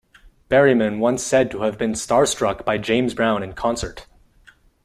Berryman once said to have been starstruck by James Brown in concert.